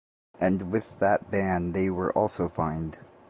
And with that ban they were also fined.